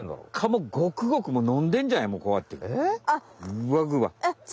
ぐわぐわ。